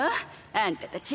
あんたたち。